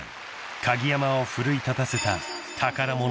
鍵山を奮い立たせた］